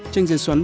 tranh xấy xoắn